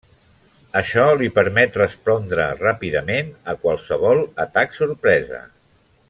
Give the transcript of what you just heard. Això li permet respondre ràpidament a qualsevol atac sorpresa.